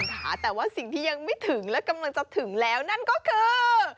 แต่ว่าสิ่งที่ยังไม่ถึงและกำลังจะถึงแล้วนั่นก็คือ